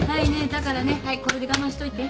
だからねこれで我慢しといて。